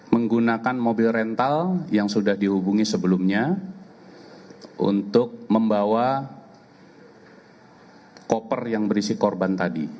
menggunakan mobil rental yang sudah dihubungi sebelumnya untuk membawa koper yang berisi korban tadi